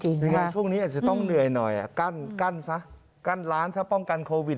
ยังไงช่วงนี้อาจจะต้องเหนื่อยหน่อยกั้นซะกั้นร้านถ้าป้องกันโควิด